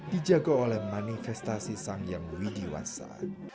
dijaga oleh manifestasi sang yang widiwasa